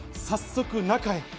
早速、中へ。